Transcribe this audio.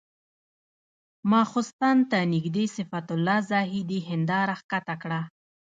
ماخستن ته نږدې صفت الله زاهدي هنداره ښکته کړه.